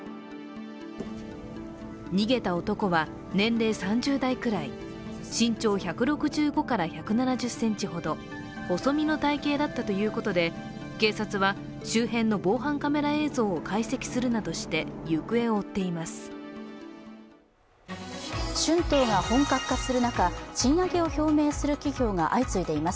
逃げた男は年齢３０代くらい身長１６５から１７０ｃｍほど細身の体型だったということで、警察は周辺の防犯カメラ映像を解析するなどして行方を追っています。